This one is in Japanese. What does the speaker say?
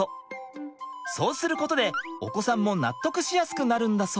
そうすることでお子さんも納得しやすくなるんだそう。